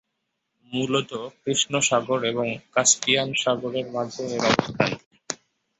মূলত কৃষ্ণ সাগর এবং কাস্পিয়ান সাগরের মাঝে এর অবস্থান।